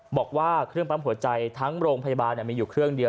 บอกว่าเครื่องปั๊มหัวใจทั้งโรงพยาบาลมีอยู่เครื่องเดียว